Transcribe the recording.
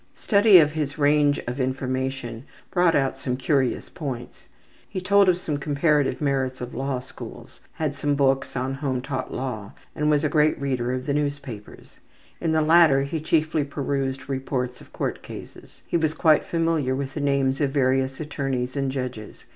Study of his range of information brought out some curious points. He told of some comparative merits of law schools, had some books on home taught law, and was a great reader of the newspapers. In the latter he chiefly perused reports of court cases. He was quite familiar with the names of various attorneys and judges.